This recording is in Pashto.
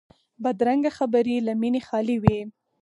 بدرنګه خبرې له مینې خالي وي